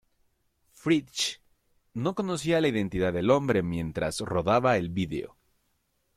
Fritsch no conocía la identidad del hombre mientras rodaba el vídeo.